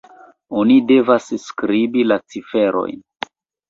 Oni devas skribi la ciferojn